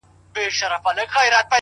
لـــكــه ښـــه اهـنـــگ؛